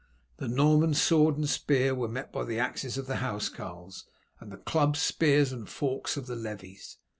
The Norman sword and spear were met by the axes of the housecarls, and the clubs, spears, and forks of the levies.